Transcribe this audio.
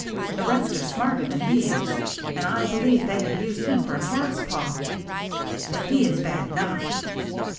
The rest are smarter than he is, and I believe they have used him for a cat's paw. But he is bad enough."